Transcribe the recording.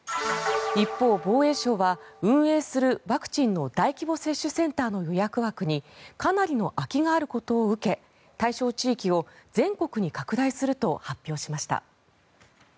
一方、防衛省は運営するワクチンの大規模接種センターの予約枠にかなりの空きがあることを受け対象地域を全国に拡大すると発表しました。